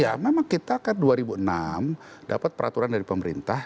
ya memang kita kan dua ribu enam dapat peraturan dari pemerintah